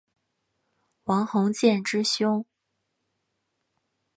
王鸿渐之兄。